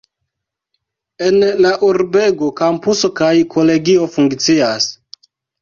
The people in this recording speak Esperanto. En la urbego kampuso kaj kolegio funkcias.